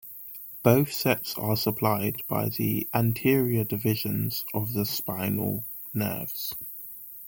Both sets are supplied by the anterior divisions of the spinal nerves.